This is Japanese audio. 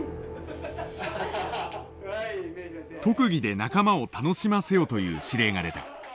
「特技で仲間を楽しませよ」という指令が出た。